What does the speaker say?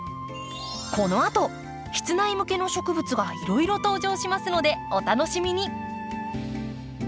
このあと室内向けの植物がいろいろ登場しますのでお楽しみに。